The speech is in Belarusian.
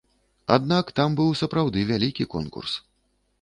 Аднак там быў сапраўды вялікі конкурс.